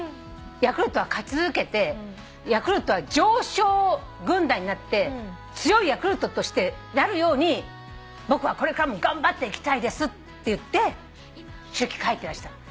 「ヤクルトが勝ち続けてヤクルトは常勝軍団になって強いヤクルトとしてなるように僕はこれからも頑張っていきたいです」って言って手記書いてらしたの。